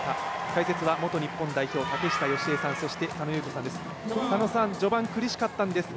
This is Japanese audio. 解説は元日本代表竹下佳江さん、そして佐野優子さんです。